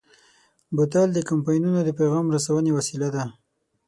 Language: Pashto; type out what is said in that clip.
بوتل د کمپاینونو د پیغام رسونې وسیله ده.